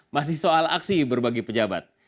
masih soal aksi berbagi pejabat